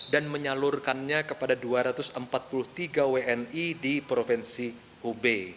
dan menyalurkannya kepada dua ratus empat puluh tiga wni di provinsi hubei